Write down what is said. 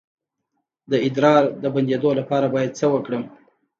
د ادرار د بندیدو لپاره باید څه وکړم؟